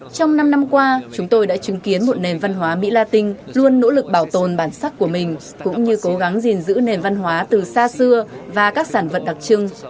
trong năm năm qua chúng tôi đã chứng kiến một nền văn hóa mỹ la tinh luôn nỗ lực bảo tồn bản sắc của mình cũng như cố gắng gìn giữ nền văn hóa từ xa xưa và các sản vật đặc trưng